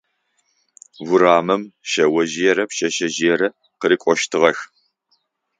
Урамым шъэожъыерэ пшъэшъэжъыерэ къырыкӏощтыгъэх.